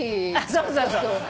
そうそうそう。